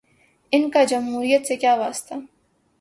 ان کا جمہوریت سے کیا واسطہ۔